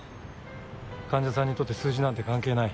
患者さんにとって数字なんて関係ない。